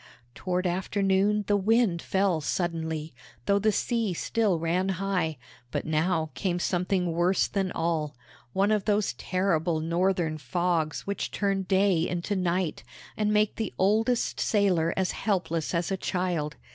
Toward afternoon the wind fell suddenly, though the sea still ran high; but now came something worse than all one of those terrible Northern fogs which turn day into night, and make the oldest sailor as helpless as a child.